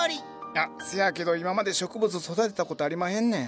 あっせやけど今まで植物育てたことありまへんねん。